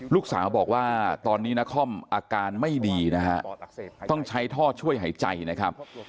ลูกสาวบอกว่าตอนนี้นครอาการไม่ดีนะฮะต้องใช้ท่อช่วยหายใจนะครับ